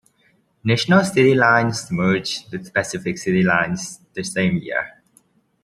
National City Lines merged with Pacific City Lines the same year.